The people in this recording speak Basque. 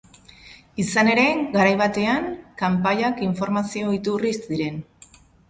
Izan ere, garai batean, kanpaiak informazio iturri ziren.